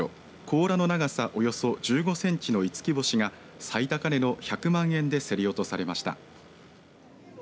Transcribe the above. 甲羅の長さおよそ１５センチの五輝星が最高値の１００万円で競り落とされました。